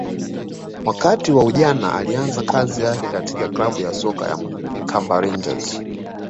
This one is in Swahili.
wakati wa ujana alianza kazi yake katika klabu ya soka ya Mkamba rangers